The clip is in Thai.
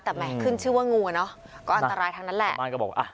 แต่แห่ขึ้นชื่อว่างูอ่ะเนอะก็อันตรายทั้งนั้นแหละบ้านก็บอกอ่ะ